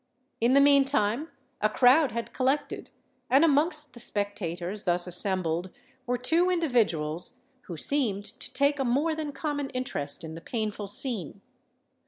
In the meantime a crowd had collected; and amongst the spectators thus assembled were two individuals who seemed to take a more than common interest in the painful scene.